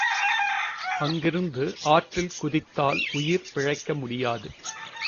அங்கிருந்து ஆற்றில் குதித்தால் உயிர் பிழைக்க முடியாது.